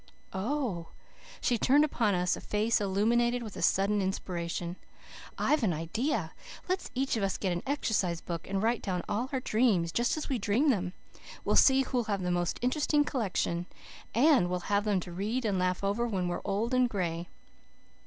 "Oh " she turned upon us a face illuminated with a sudden inspiration. "I've an idea. Let us each get an exercise book and write down all our dreams, just as we dream them. We'll see who'll have the most interesting collection. And we'll have them to read and laugh over when we're old and gray."